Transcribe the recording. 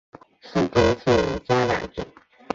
织田信长家臣。